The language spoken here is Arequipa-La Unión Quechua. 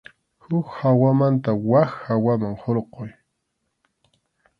Huk hawamanta wak hawaman hurquy.